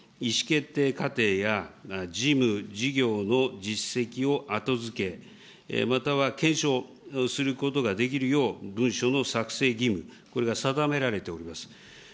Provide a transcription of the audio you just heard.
公文書管理法第４条において、意思決定過程や、事務、事業の実績を後付け、または検証することができるよう文書の作成義務、これが定められております。